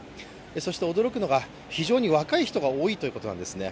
そして驚くのが、非常に若い人が多いということなんですね。